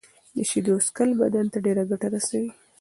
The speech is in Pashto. د شېدو څښل بدن ته ډيره ګټه رسوي.